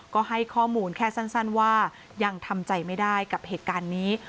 ก็ให้ข้อมูลแค่สั้นว่ายังทำใจไม่ได้กับเหตุการณ์นี้